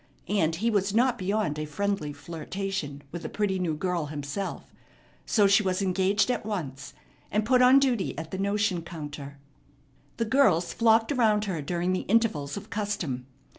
And he was not beyond a friendly flirtation with a pretty new girl himself; so she was engaged at once, and put on duty at the notion counter. The girls flocked around her during the intervals of custom.